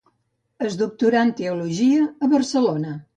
Es doctorà en teologia a Barcelona.